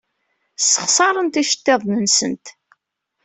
Ssexṣarent iceḍḍiḍen-nsent.